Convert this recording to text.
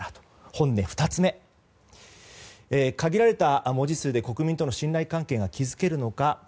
本音２つ目は、限られた文字数で国民との信頼関係が築けるのか。